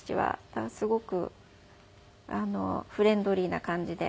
だからすごくフレンドリーな感じで。